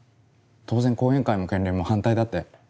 当然後援会も県連も反対だって。